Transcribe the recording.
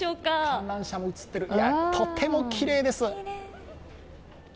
観覧車も映ってる、とてもきれいです。